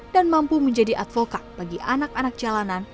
dan mampu menjadi advokat bagi anak anak jalanan